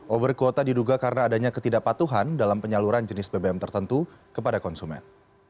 over kuota diduga karena adanya ketidakpatuhan dalam penyaluran jenis bbm tertentu kepada konsumen